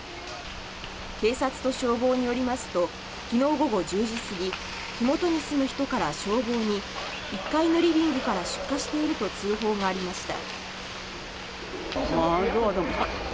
警察と消防によりますと、昨日午後１０時過ぎ火元に住む人から消防に１階のリビングから出火していると通報がありました。